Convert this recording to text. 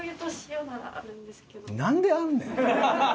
なんであんねん！